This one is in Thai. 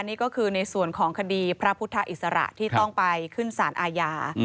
นี่ก็คือในส่วนของคดีพระพุทธอิสระที่ต้องไปขึ้นสารอาญา